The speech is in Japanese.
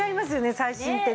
最新ってね。